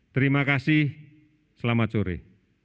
terima kasih selamat sore